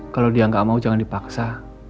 kalau dia nggak mau jangan dipaksa